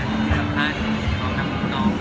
ที่สำคัญของน้ำหลูกน้อง